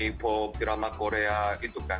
hip hop drama korea itu kan